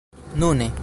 nune